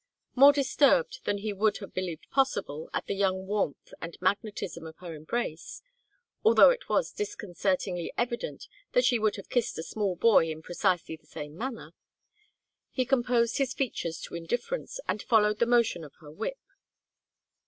More disturbed than he would have believed possible at the young warmth and magnetism of her embrace although it was disconcertingly evident that she would have kissed a small boy in precisely the same manner he composed his features to indifference and followed the motion of her whip.